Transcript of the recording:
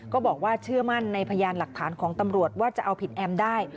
ก็บอกว่าเชื่อมั่นในพยานหลักฐานของตำรวจว่าจะเอาผิดแอมได้